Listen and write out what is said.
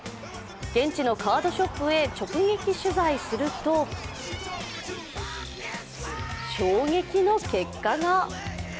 現地のカードショップへ直撃取材すると衝撃の結果が。